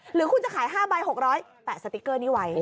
หรือคุณจะขาย๕ใบ๖๐๐แปะสติ๊กเกอร์นี้ไว้